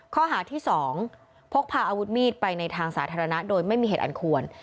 ข้อหาที่๒พกพาอาวุธมีดไปในทางสาธารณะโดยไม่มีเหตุอันควร